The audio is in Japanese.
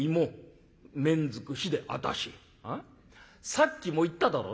さっきも言っただろ？